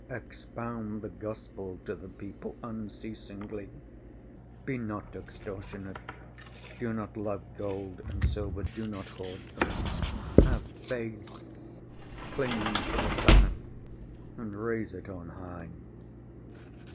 Expound the Gospel to the people unceasingly ... be not extortionate.... Do not love gold and silver, do not hoard them.... Have faith. Cling to the banner and raise it on high."